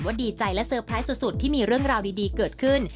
ดีใจและเซอร์ไพรส์สุดที่มีเรื่องราวดีเกิดขึ้น